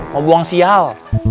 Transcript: mau buang sial